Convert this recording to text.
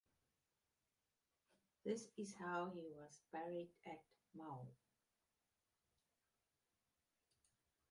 This is how he was buried at Meaux.